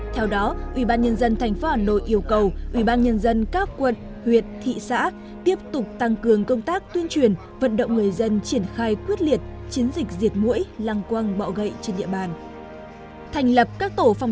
theo đó ủy ban nhân dân thành phố hà nội yêu cầu ủy ban nhân dân các quận huyệt thị xã tiếp tục tăng cường công tác tuyên truyền vận động người dân triển khai quyết liệt chiến dịch diệt mũi lăng quăng bạo gậy trên địa bàn